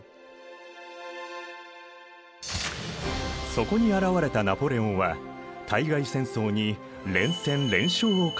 そこに現れたナポレオンは対外戦争に連戦連勝を重ねた。